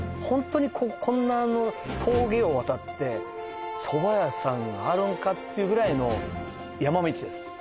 ホントにこんなあの峠を渡って蕎麦屋さんがあるんかっていうぐらいの山道です